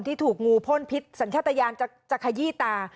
ถูกงูพ่นพิษสัญชาติยานจะขยี้ตา